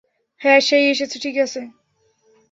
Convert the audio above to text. হ্যাঁ, সে-ই এসেছে, ঠিক আছে।